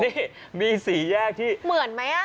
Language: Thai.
นี่มีสี่แยกที่เหมือนมั้ยอะ